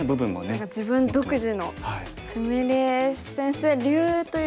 自分独自の菫先生流というか。